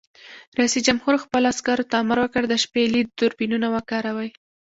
رئیس جمهور خپلو عسکرو ته امر وکړ؛ د شپې لید دوربینونه وکاروئ!